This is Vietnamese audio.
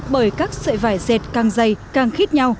bởi các sợi vải dệt càng dày càng khít nhau